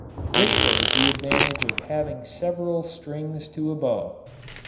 This shows the advantage of having several strings to a bow.